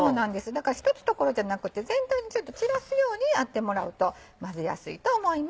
だから一つの所じゃなくてちょっと全体に散らすようにやってもらうと混ぜやすいと思います。